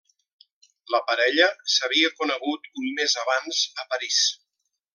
La parella s'havia conegut un mes abans a París.